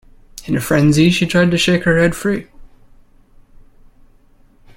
In a frenzy she tried to shake her head free.